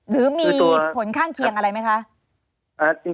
หรือมีผลข้างเคียงอะไรไหมคะ